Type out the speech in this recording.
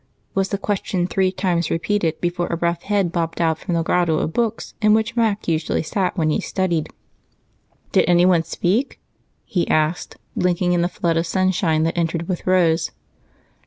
was the question three times repeated before a rough head bobbed out from the grotto of books in which Mac usually sat when he studied. "Did anyone speak?" he asked, blinking in the flood of sunshine that entered with Rose.